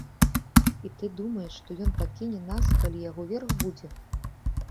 І ты думаеш, што ён пакіне нас, калі яго верх будзе?